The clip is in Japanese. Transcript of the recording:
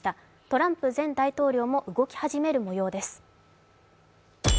トランプ前大統領も動き始める模様です。